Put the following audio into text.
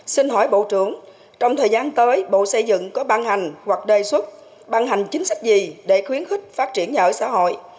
xin hỏi bộ trưởng trong thời gian tới bộ xây dựng có ban hành hoặc đề xuất ban hành chính sách gì để khuyến khích phát triển nhà ở xã hội